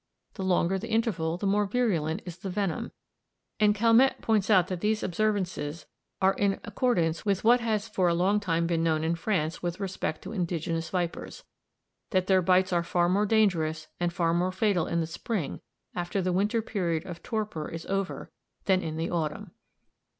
The longer the interval the more virulent is the venom; and Calmette points out that these observations are in accordance with what has for a long time been known in France with respect to indigenous vipers that their bites are far more dangerous and far more fatal in the spring, after the winter period of torpor is over, than in the autumn.